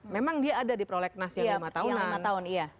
memang dia ada di prolegnas yang lima tahunan